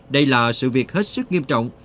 đây là sự việc hết sức nghiêm trọng